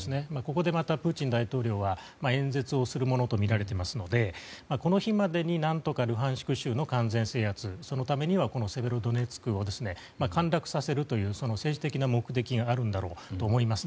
ここでまた、プーチン大統領は演説をするものとみられていますのでこの日までに何とかルハンシク州の完全制圧そのためにはセベロドネツクを陥落させるという政治的な目的があるんだと思います。